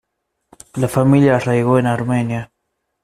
La familia arraigó en Armenia.